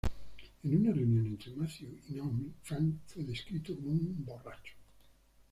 En una reunión entre Matthew y Naomi, Frank fue descrito como "un borracho".